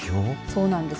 そうなんです。